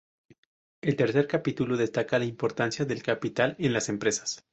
El tercer capítulo destaca la importancia del capital en las empresas.